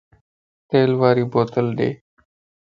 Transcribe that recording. تيل واري بوتل ڏي